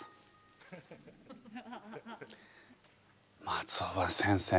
松尾葉先生